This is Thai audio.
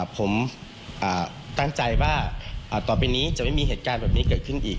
ผมตั้งใจว่าต่อไปนี้จะไม่มีเหตุการณ์แบบนี้เกิดขึ้นอีก